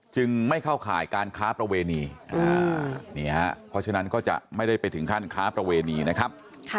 จึงไม่เข้าข่ายการค้าประเวณีนี่ฮะเพราะฉะนั้นก็จะไม่ได้ไปถึงขั้นค้าประเวณีนะครับ